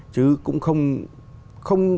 chứ cũng không